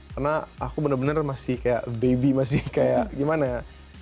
karena aku bener bener masih kayak baby masih kayak gimana ya